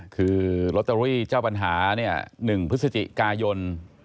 คือโรตเตอรี่เจ้าปัญหา๑พฤศจิกายน๒๕๖๐๕๓๓๗๒๖